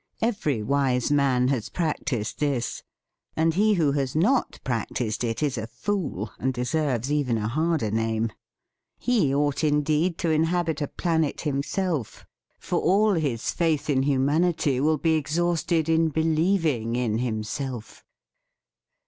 Every wise man has practised this. And he who has not practised it is a fool, and deserves even a harder name. He ought indeed to inhabit a planet himself, for all his faith in hu manity will be exhausted in believing in himself.